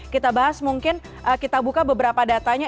kita bahas mungkin kita buka beberapa datanya